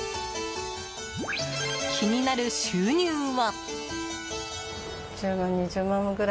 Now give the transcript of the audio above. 気になる収入は。